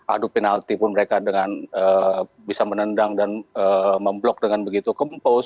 adu penalti pun mereka dengan bisa menendang dan memblok dengan begitu kempus